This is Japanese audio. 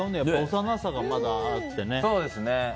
幼さがまだあってね。